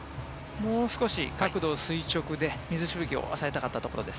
もう少し角度を垂直で水しぶきを抑えたかったところです。